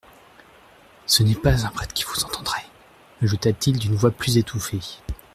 Ce n'est pas un prêtre qui vous entendrait, ajouta-t-il d'une voix plus étouffée.